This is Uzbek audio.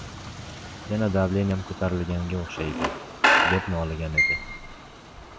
yana davleniyam ko‘tarilganga o‘xshaydi», deb noligan edi.